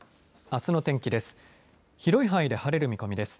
あすの天気です。